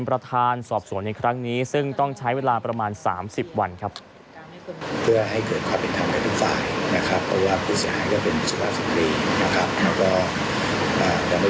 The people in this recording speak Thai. สหายก็เป็นสุภาพสังครีนะครับแล้วก็อ่าเราไม่รู้ว่าข้อที่จริงจะเป็นยังไง